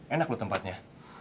enak loh tempatnya